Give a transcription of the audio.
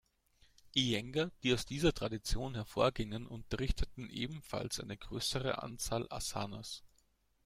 Iyengar, die aus dieser Tradition hervorgingen, unterrichteten ebenfalls eine größere Anzahl Asanas.